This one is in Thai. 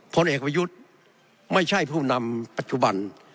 ผลเอกประยุทธ์ไม่ใช่ผู้นำปัจจุบัน